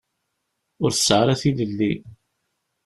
Ur tesɛi ara tilelli.